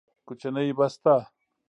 کوچنۍ بسته